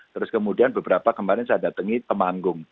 terus kemudian beberapa kemarin saya datangi temanggung